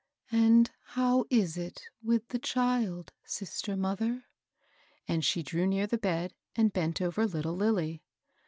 " And how is it with the child, sister mother? *' and she drew near the bed, and bent over little LUly.